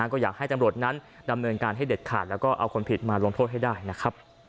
ก็อยากให้ตำรวจนั้นดำเนินการให้เด็ดขาดแล้วก็เอาคนผิดมาลงโทษให้ได้นะครับ